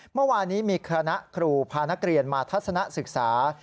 เมื่อวานนี้มีคณะครูพานักเรียนมาทัศนะศึกษา